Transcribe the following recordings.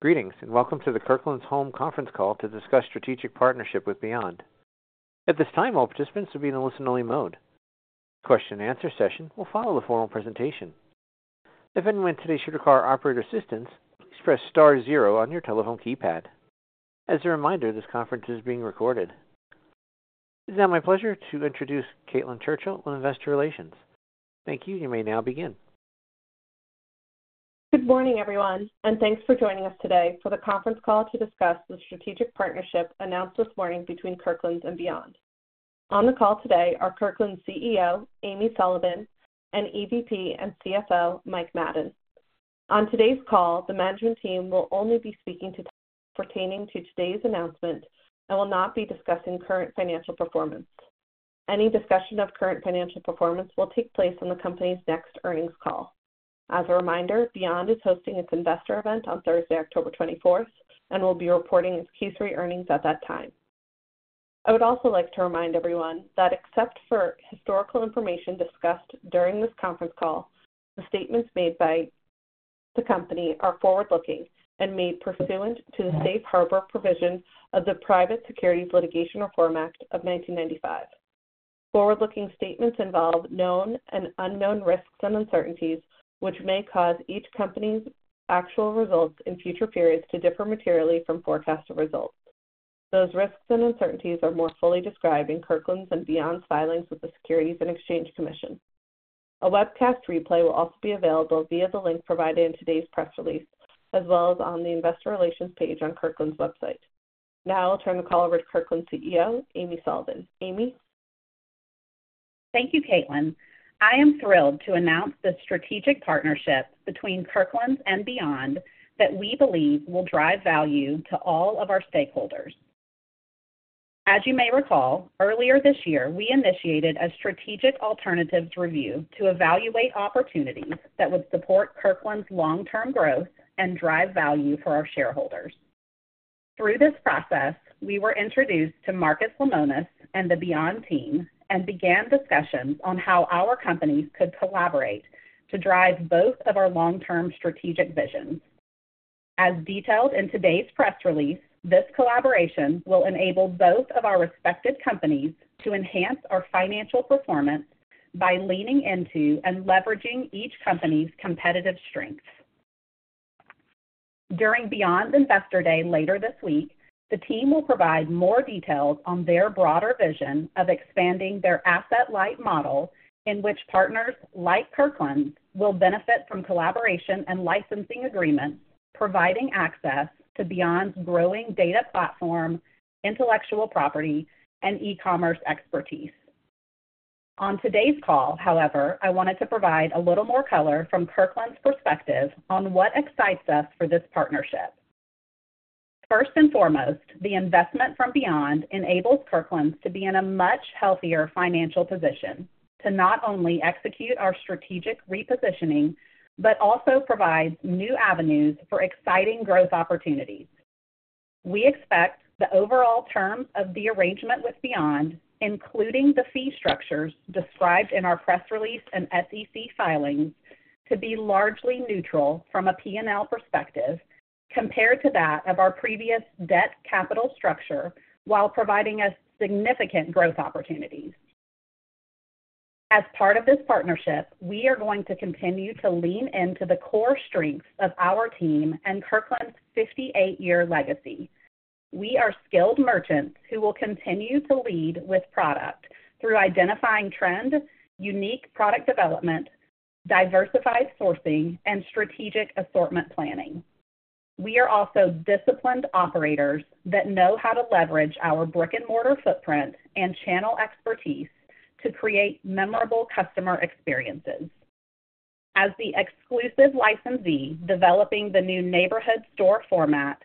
Greetings, and welcome to the Kirkland's Home Conference Call to discuss strategic partnership with Beyond. At this time, all participants will be in a listen-only mode. Question and answer session will follow the formal presentation. If anyone today should require operator assistance, please press star zero on your telephone keypad. As a reminder, this conference is being recorded. It's now my pleasure to introduce Caitlin Churchill, on investor relations. Thank you. You may now begin. Good morning, everyone, and thanks for joining us today for the conference call to discuss the strategic partnership announced this morning between Kirkland's and Beyond. On the call today are Kirkland's CEO, Amy Sullivan, and EVP and CFO, Mike Madden. On today's call, the management team will only be speaking to pertaining to today's announcement and will not be discussing current financial performance. Any discussion of current financial performance will take place on the company's next earnings call. As a reminder, Beyond is hosting its investor event on Thursday, October 24th, and will be reporting its Q3 earnings at that time. I would also like to remind everyone that except for historical information discussed during this conference call, the statements made by the company are forward-looking and made pursuant to the Safe Harbor Provision of the Private Securities Litigation Reform Act of 1995. Forward-looking statements involve known and unknown risks and uncertainties, which may cause each company's actual results in future periods to differ materially from forecasted results. Those risks and uncertainties are more fully described in Kirkland's and Beyond's filings with the Securities and Exchange Commission. A webcast replay will also be available via the link provided in today's press release, as well as on the investor relations page on Kirkland's website. Now I'll turn the call over to Kirkland's CEO, Amy Sullivan. Amy? Thank you, Caitlin. I am thrilled to announce this strategic partnership between Kirkland's and Beyond, that we believe will drive value to all of our stakeholders. As you may recall, earlier this year, we initiated a strategic alternatives review to evaluate opportunities that would support Kirkland's long-term growth and drive value for our shareholders. Through this process, we were introduced to Marcus Lemonis and the Beyond team and began discussions on how our companies could collaborate to drive both of our long-term strategic visions. As detailed in today's press release, this collaboration will enable both of our respective companies to enhance our financial performance by leaning into and leveraging each company's competitive strengths. During Beyond's Investor Day later this week, the team will provide more details on their broader vision of expanding their asset-light model, in which partners like Kirkland's will benefit from collaboration and licensing agreements, providing access to Beyond's growing data platform, intellectual property, and e-commerce expertise. On today's call, however, I wanted to provide a little more color from Kirkland's perspective on what excites us for this partnership. First and foremost, the investment from Beyond enables Kirkland's to be in a much healthier financial position, to not only execute our strategic repositioning, but also provide new avenues for exciting growth opportunities. We expect the overall terms of the arrangement with Beyond, including the fee structures described in our press release and SEC filings, to be largely neutral from a P&L perspective compared to that of our previous debt capital structure, while providing us significant growth opportunities. As part of this partnership, we are going to continue to lean into the core strengths of our team and Kirkland's fifty-eight-year legacy. We are skilled merchants who will continue to lead with product through identifying trends, unique product development, diversified sourcing, and strategic assortment planning. We are also disciplined operators that know how to leverage our brick-and-mortar footprint and channel expertise to create memorable customer experiences. As the exclusive licensee developing the new neighborhood store format,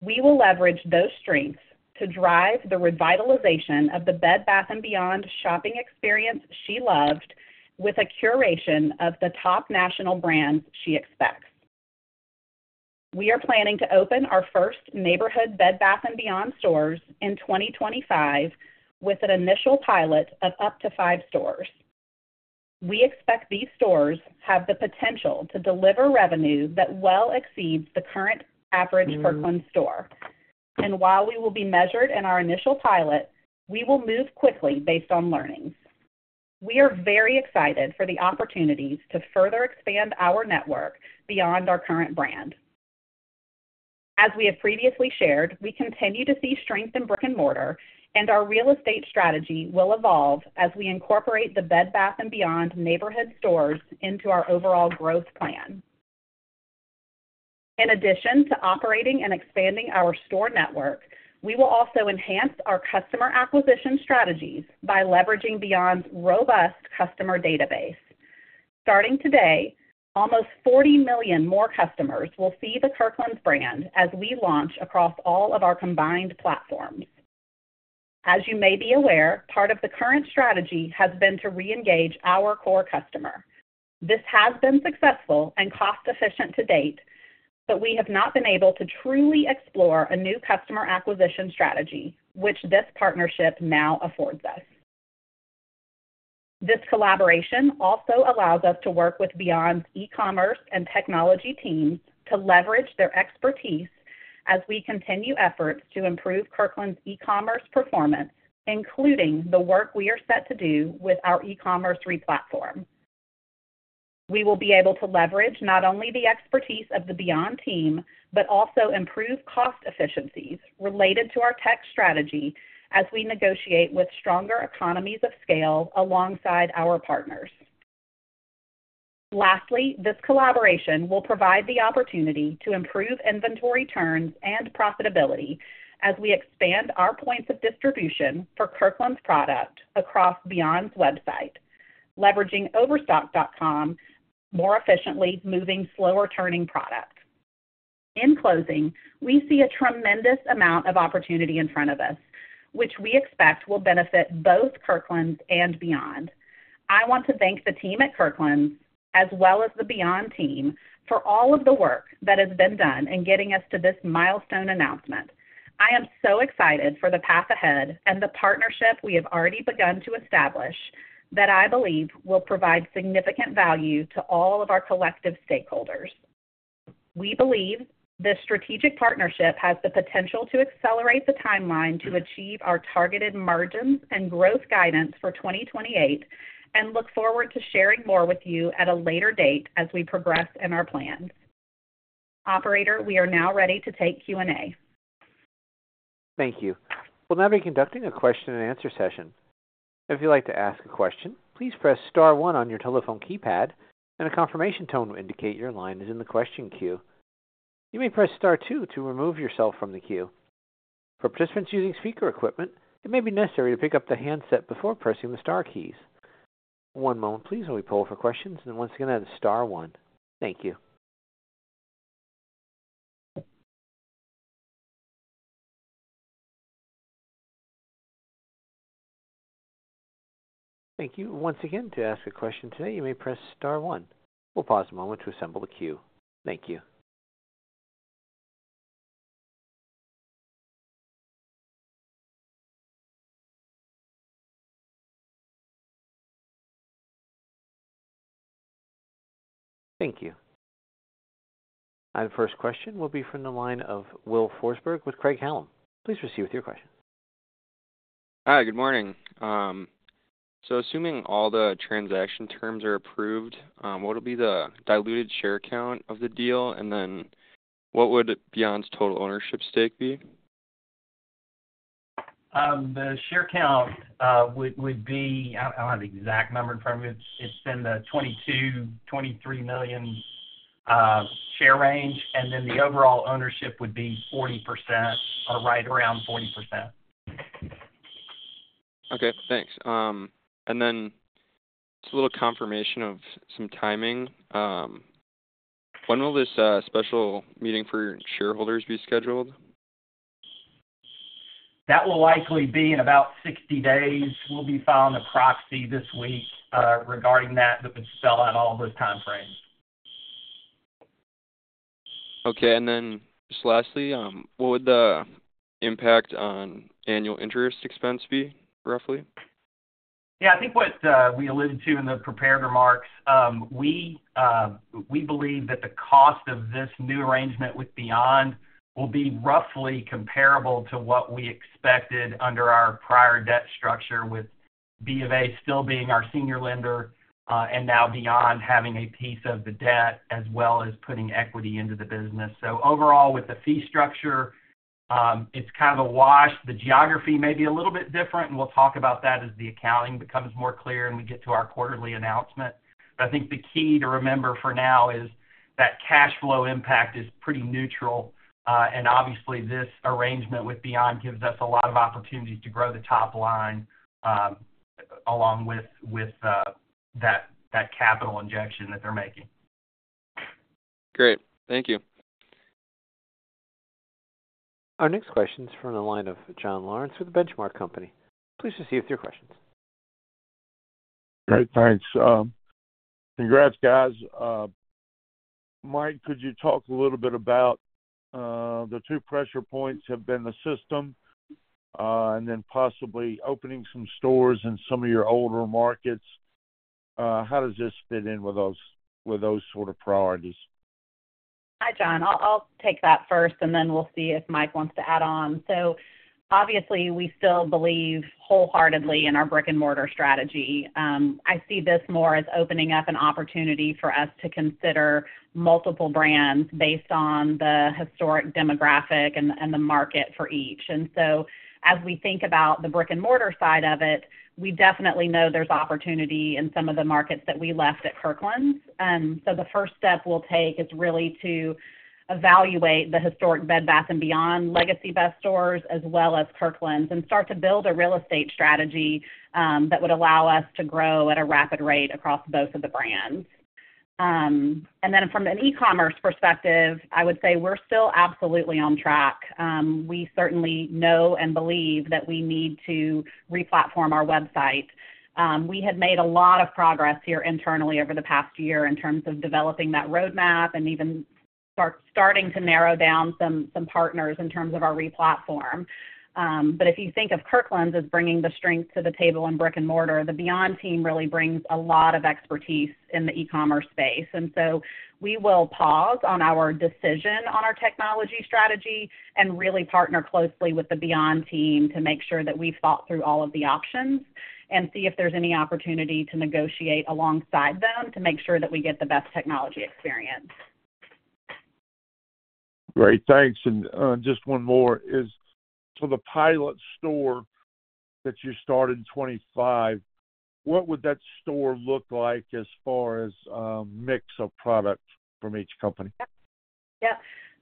we will leverage those strengths to drive the revitalization of the Bed Bath & Beyond shopping experience she loved, with a curation of the top national brands she expects. We are planning to open our first neighborhood Bed Bath & Beyond stores in 2025, with an initial pilot of up to five stores. We expect these stores have the potential to deliver revenue that well exceeds the current average Kirkland store. While we will be measured in our initial pilot, we will move quickly based on learnings. We are very excited for the opportunities to further expand our network beyond our current brand. As we have previously shared, we continue to see strength in brick-and-mortar, and our real estate strategy will evolve as we incorporate the Bed Bath & Beyond neighborhood stores into our overall growth plan. In addition to operating and expanding our store network, we will also enhance our customer acquisition strategies by leveraging Beyond's robust customer database. Starting today, almost forty million more customers will see the Kirkland's brand as we launch across all of our combined platforms. As you may be aware, part of the current strategy has been to reengage our core customer. This has been successful and cost-efficient to date, but we have not been able to truly explore a new customer acquisition strategy, which this partnership now affords us. This collaboration also allows us to work with Beyond's e-commerce and technology teams to leverage their expertise as we continue efforts to improve Kirkland's e-commerce performance, including the work we are set to do with our e-commerce re-platform. We will be able to leverage not only the expertise of the Beyond team, but also improve cost efficiencies related to our tech strategy as we negotiate with stronger economies of scale alongside our partners. Lastly, this collaboration will provide the opportunity to improve inventory turns and profitability as we expand our points of distribution for Kirkland's product across Beyond's website, leveraging Overstock.com more efficiently, moving slower-turning products. In closing, we see a tremendous amount of opportunity in front of us, which we expect will benefit both Kirkland's and Beyond. I want to thank the team at Kirkland's, as well as the Beyond team, for all of the work that has been done in getting us to this milestone announcement. I am so excited for the path ahead and the partnership we have already begun to establish, that I believe will provide significant value to all of our collective stakeholders. We believe this strategic partnership has the potential to accelerate the timeline to achieve our targeted margins and growth guidance for 2028, and look forward to sharing more with you at a later date as we progress in our plans. Operator, we are now ready to take Q&A. Thank you. We'll now be conducting a question-and-answer session. If you'd like to ask a question, please press star one on your telephone keypad, and a confirmation tone will indicate your line is in the question queue. You may press star two to remove yourself from the queue. For participants using speaker equipment, it may be necessary to pick up the handset before pressing the star keys. One moment please, while we pull for questions, and once again, that is star one. Thank you. Thank you. Once again, to ask a question today, you may press star one. We'll pause a moment to assemble the queue. Thank you. Thank you. Our first question will be from the line of Will Forsberg with Craig-Hallum. Please proceed with your question. Hi, good morning. So assuming all the transaction terms are approved, what will be the diluted share count of the deal? And then what would Beyond's total ownership stake be? The share count would be. I don't have the exact number in front of me. It's in the 22-23 million share range, and then the overall ownership would be 40% or right around 40%. Okay, thanks. And then just a little confirmation of some timing. When will this special meeting for shareholders be scheduled? That will likely be in about 60 days. We'll be filing a proxy this week, regarding that, that would spell out all those timeframes. Okay, and then just lastly, what would the impact on annual interest expense be, roughly? Yeah, I think what we alluded to in the prepared remarks, we believe that the cost of this new arrangement with Beyond will be roughly comparable to what we expected under our prior debt structure, with BofA still being our senior lender, and now Beyond having a piece of the debt as well as putting equity into the business. So overall, with the fee structure, it's kind of a wash. The geography may be a little bit different, and we'll talk about that as the accounting becomes more clear and we get to our quarterly announcement. But I think the key to remember for now is that cash flow impact is pretty neutral, and obviously this arrangement with Beyond gives us a lot of opportunities to grow the top line, along with that capital injection that they're making. Great. Thank you. Our next question is from the line of John Lawrence with Benchmark Company. Please proceed with your questions. Great, thanks. Congrats, guys. Mike, could you talk a little bit about the two pressure points have been the system and then possibly opening some stores in some of your older markets. How does this fit in with those sort of priorities? Hi, John. I'll take that first, and then we'll see if Mike wants to add on. So obviously, we still believe wholeheartedly in our brick-and-mortar strategy. I see this more as opening up an opportunity for us to consider multiple brands based on the historic demographic and the market for each. And so as we think about the brick-and-mortar side of it, we definitely know there's opportunity in some of the markets that we left at Kirkland's. So the first step we'll take is really to evaluate the historic Bed Bath & Beyond legacy bed stores, as well as Kirkland's, and start to build a real estate strategy, that would allow us to grow at a rapid rate across both of the brands. And then from an e-commerce perspective, I would say we're still absolutely on track. We certainly know and believe that we need to re-platform our website. We have made a lot of progress here internally over the past year in terms of developing that roadmap and even starting to narrow down some partners in terms of our re-platform. But if you think of Kirkland's as bringing the strength to the table in brick and mortar, the Beyond team really brings a lot of expertise in the e-commerce space. And so we will pause on our decision on our technology strategy and really partner closely with the Beyond team to make sure that we've thought through all of the options and see if there's any opportunity to negotiate alongside them to make sure that we get the best technology experience. Great, thanks. And just one more is, so the pilot store that you start in 2025, what would that store look like as far as mix of product from each company? Yeah.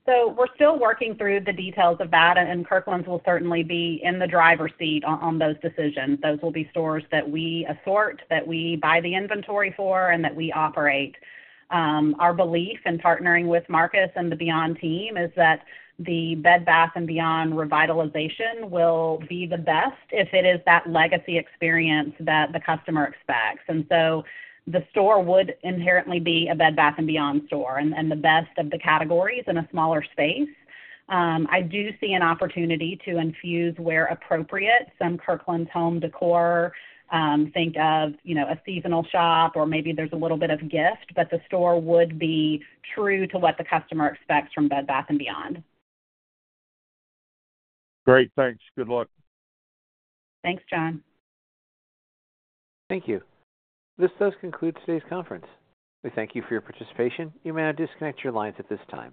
So we're still working through the details of that, and Kirkland's will certainly be in the driver's seat on those decisions. Those will be stores that we assort, that we buy the inventory for, and that we operate. Our belief in partnering with Marcus and the Beyond team is that the Bed Bath & Beyond revitalization will be the best if it is that legacy experience that the customer expects. And so the store would inherently be a Bed Bath & Beyond store and the best of the categories in a smaller space. I do see an opportunity to infuse, where appropriate, some Kirkland's home décor, think of, you know, a seasonal shop, or maybe there's a little bit of gift, but the store would be true to what the customer expects from Bed Bath & Beyond. Great, thanks. Good luck. Thanks, John. Thank you. This does conclude today's conference. We thank you for your participation. You may now disconnect your lines at this time.